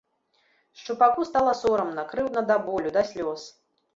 Шчупаку стала сорамна, крыўдна да болю, да слёз.